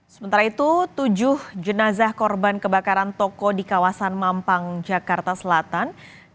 sementara itu tujuh jenazah korban kebakaran toko di kawasan mampang jakarta selatan